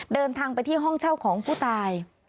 เดินทางไปที่ห้องเช่าของผู้ตาย